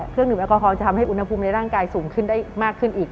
เครื่องดื่แอลกอฮอลจะทำให้อุณหภูมิในร่างกายสูงขึ้นได้มากขึ้นอีก